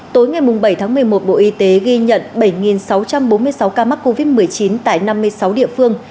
tối ngày bảy tháng một mươi một bộ y tế ghi nhận bảy sáu trăm bốn mươi sáu ca mắc covid một mươi chín tại năm mươi sáu địa phương